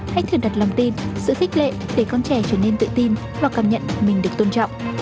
hãy thường đặt lòng tin sự khích lệ để con trẻ trở nên tự tin và cảm nhận mình được tôn trọng